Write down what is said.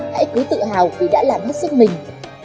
hãy cứ tự hào vì đã làm hết sức mình